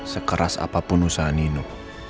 sekeras apapun usaha nino